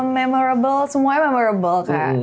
memorable semuanya memorable kan